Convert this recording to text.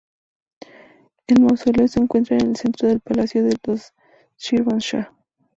El mausoleo se encuentra en el centro del Palacio de los Shirvanshah.